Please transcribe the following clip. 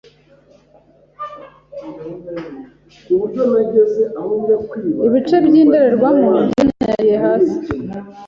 Ibice by'indorerwamo byanyanyagiye hasi.